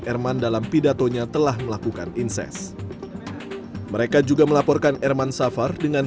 herman dalam pidatonya telah melakukan inses mereka juga melaporkan herman safar dengan